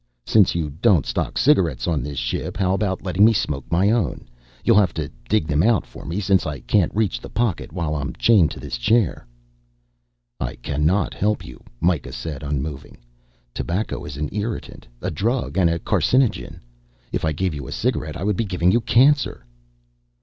"Since you don't stock cigarettes on this ship how about letting me smoke my own? You'll have to dig them out for me since I can't reach the pocket while I'm chained to this chair." "I cannot help you," Mikah said, unmoving. "Tobacco is an irritant, a drug and a carcinogen. If I gave you a cigarette, I would be giving you cancer."